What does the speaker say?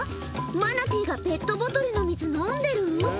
マナティーがペットボトルの水飲んでる？